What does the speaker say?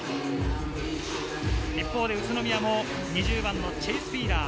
一方の宇都宮、２０番のチェイス・フィーラー。